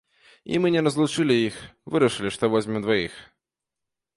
І мы не разлучылі іх, вырашылі, што возьмем дваіх.